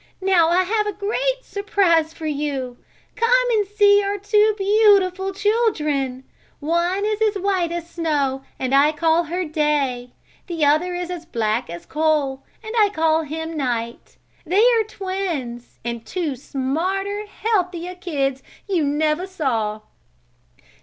Now I have a great surprise for you. Come and see our two beautiful children. One is as white as snow and her I call Day. The other is as black as a coal, and him I call Night. They are twins, and two smarter, healthier kids you never saw.